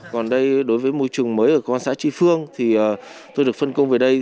còn đây đối với môi trường mới ở công an xã tri phương thì tôi được phân công về đây